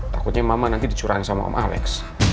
takutnya mama nanti dicurang sama om alex